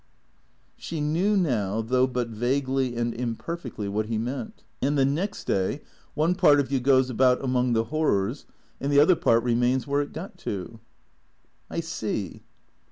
She knew now, though but vaguely and imperfectly, what he meant. " And the nexl day one part of you goes about among the hor rors, and the other part remains where it got to." " I see."